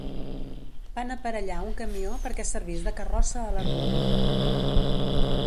Van aparellar un camió perquè servís de carrossa a la rua.